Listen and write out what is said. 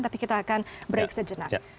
tapi kita akan break sejenak